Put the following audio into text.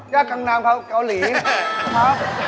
ย่างกังนำเกาหลีครับ